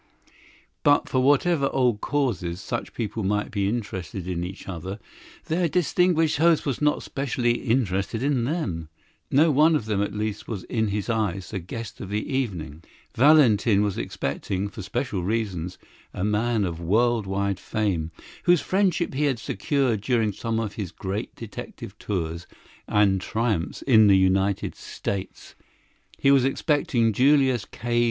But for whatever old causes such people might be interested in each other, their distinguished host was not specially interested in them. No one of them at least was in his eyes the guest of the evening. Valentin was expecting, for special reasons, a man of world wide fame, whose friendship he had secured during some of his great detective tours and triumphs in the United States. He was expecting Julius K.